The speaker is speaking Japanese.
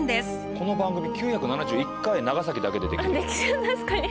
この番組９７１回長崎だけでできる。